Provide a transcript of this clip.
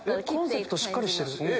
コンセプトしっかりしてる。